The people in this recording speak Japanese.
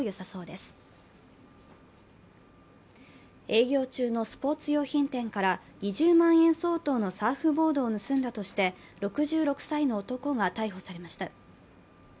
営業中のスポーツ用品店から２０万円相当のサーフボードを盗んだとして６６歳の男が逮捕されました。